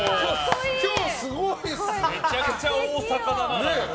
めちゃくちゃ大阪だな！